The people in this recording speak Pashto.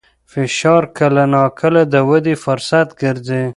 فشار کله ناکله د ودې فرصت ګرځي.